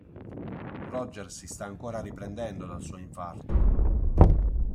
Roger si sta ancora riprendendo dal suo infarto.